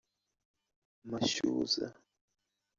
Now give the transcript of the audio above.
Mashyuza